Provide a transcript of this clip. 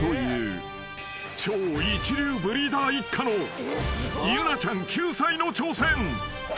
［超一流ブリーダー一家の由菜ちゃん９歳の挑戦］